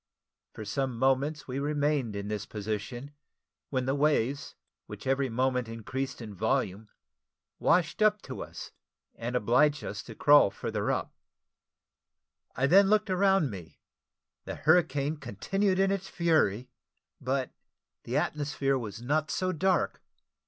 For some moments we remained in this position, when the waves, which every moment increased in volume, washed up to us, and obliged us to crawl further up. I then looked around me; the hurricane continued in its fury, but the atmosphere was not so dark.